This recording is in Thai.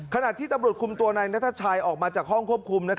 ขณะที่ตำรวจคุมตัวนายนัทชัยออกมาจากห้องควบคุม